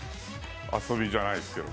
遊びじゃないですけど。